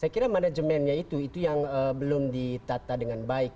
saya kira manajemennya itu itu yang belum ditata dengan baik